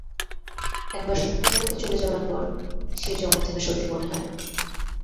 একবার স্বপ্ন-জগতে চলে যাবার পর সেই জগৎটাকে সত্যি মনে হয়।